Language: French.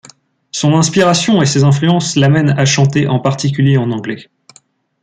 Son inspiration et ses influences l’amènent à chanter en particulier en anglais.